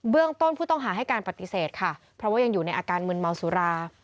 ต้นผู้ต้องหาให้การปฏิเสธค่ะเพราะว่ายังอยู่ในอาการมึนเมาสุรา